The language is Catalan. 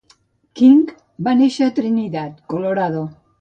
King va néixer a Trinidad, Colorado.